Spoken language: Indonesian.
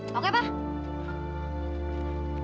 mau gak landsideng anjing tuh